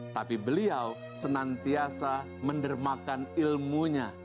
tapi beliau senantiasa mendermakan ilmunya